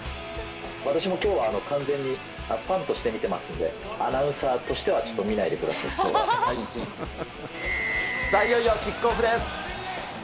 私もきょうは完全にファンとして見てますんで、アナウンサーとしては見ないでください、きょうは。さあ、いよいよキックオフです。